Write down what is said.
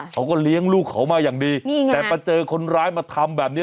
เขาก็เลี้ยงลูกเขามาอย่างดีนี่ไงแต่มาเจอคนร้ายมาทำแบบนี้